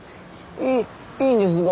いいいんですか？